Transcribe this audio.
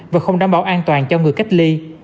và không đảm bảo an toàn cho người cách ly